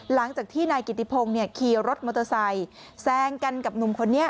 หลังจากที่นายกิติพงศ์ขี่รถมอเตอร์ไซค์แซงกันกับหนุ่มคนนี้